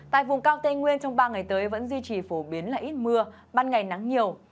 tại vùng cao tây nguyên trong ba ngày tới vẫn duy trì phổ biến là ít mưa ban ngày nắng nhiều